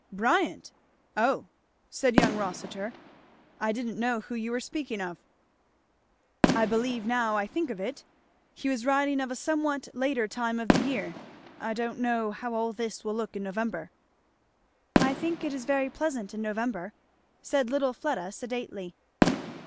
"Bryant? oh!" said young Rossitur; "I didn't know who you were speaking of." "I believe, now I think of it, he was writing of a somewhat later time of the year, I don't know, how all this will look in November." "I think it is very pleasant in November," said little Fleda sedately.